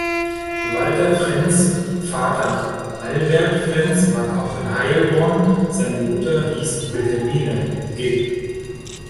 Walter Frentz’ Vater Albert Frentz war Koch in Heilbronn, seine Mutter hieß Wilhelmine geb.